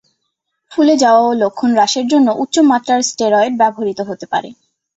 ফুলে যাওয়া ও লক্ষণ হ্রাসের জন্য উচ্চ মাত্রার স্টেরয়েড ব্যবহৃত হতে পারে।